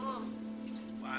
apa yang kamu lakukan